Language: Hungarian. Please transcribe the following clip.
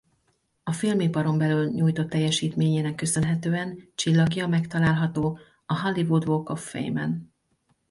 A filmiparon belül nyújtott teljesítményének köszönhetően csillagja megtalálható a Hollywood Walk of Fame-en.